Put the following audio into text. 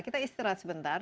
kita istirahat sebentar